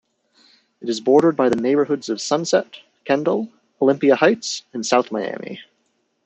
It is bordered by the neighborhoods of Sunset, Kendall, Olympia Heights, and South Miami.